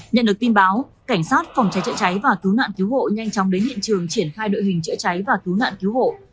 nhận được tin báo cảnh sát phòng cháy chữa cháy và cứu nạn cứu hộ nhanh chóng đến hiện trường triển khai đội hình chữa cháy và cứu nạn cứu hộ